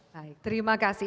baik terima kasih